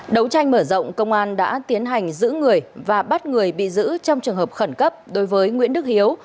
đấu tranh mở rộng công an đã tiến hành giữ người và bắt người bị giữ trong trường hợp khẩn cấp đối với nguyễn đức hiếu